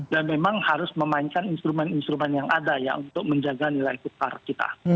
dan memang harus memainkan instrumen instrumen yang ada ya untuk menjaga nilai tukar kita